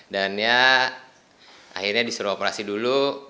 dan ya akhirnya disuruh operasi dulu